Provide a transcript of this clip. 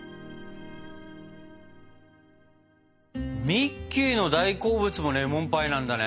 ミッキーの大好物もレモンパイなんだね。